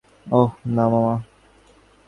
ওহ, না, মামা।